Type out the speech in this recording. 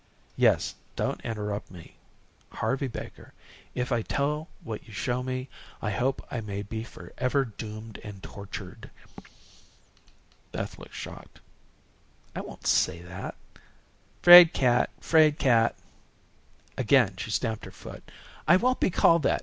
"Yes don't interrupt me. 'Harvey Baker, if I tell what you show me, I hope I may be forever doomed and tortured.'" Beth looked shocked. "I won't say that." "'Fraid cat. 'Fraid cat." Again she stamped her foot. "I won't be called that.